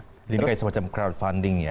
jadi ini kayak semacam crowdfunding ya